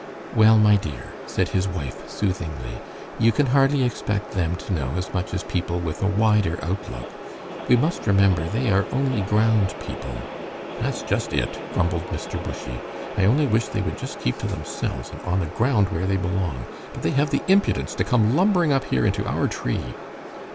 "Well, my dear," said his wife, soothingly, "you can hardly expect them to know as much as people with a wider outlook. We must remember they are only ground people." "That's just it!" grumbled Mr. Bushy. "I only wish they would just keep to themselves and on the ground where they belong, but they have the impudence to come lumbering up here into our tree."